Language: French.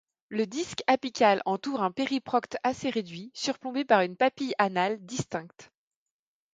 Le disque apical entoure un périprocte assez réduit, surplombé par une papille anale distincte.